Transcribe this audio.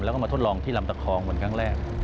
แล้วก็มาทดลองที่ลำตะคองเหมือนครั้งแรก